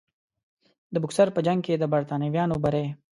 د بوکسر په جنګ کې د برټانویانو بری.